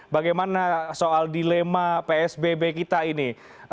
bagaimana soal dilema psbb kita ini